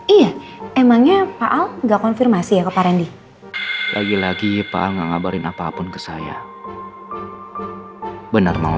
iya emangnya pak al enggak konfirmasi ya keparin lagi lagi pak ngabarin apapun ke saya benar mau